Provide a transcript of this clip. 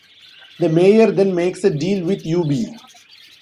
The mayor then makes a deal with Eubie.